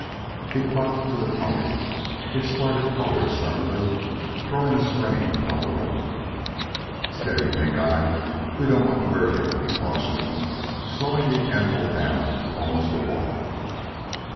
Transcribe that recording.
He clucked to the pony, which started forward suddenly, throwing a strain upon the rope. "Steady, Pink eye. We don't want to hurt him," he cautioned, slowing the animal down to almost a walk.